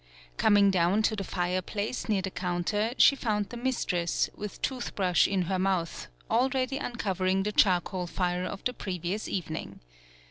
Coming down to the fireplace near the counter she found the mistress, with toothbrush in her mouth, already un covering the charcoal fire of the previ ous evening.